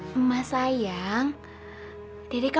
dede kan udah bilang berkali kali sama emak